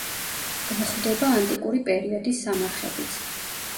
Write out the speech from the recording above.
გვხვდება ანტიკური პერიოდის სამარხებიც.